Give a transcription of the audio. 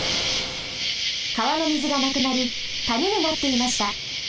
かわのみずがなくなりたにになっていました。